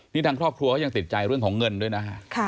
นี่ทางครอบครัวเขายังติดใจเรื่องของเงินด้วยนะฮะ